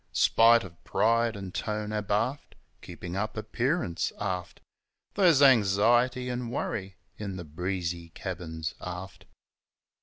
Spite o' pride an' tone abaft (Keepin' up appearance, aft) There's anxiety an' worry in the breezy cabins aft.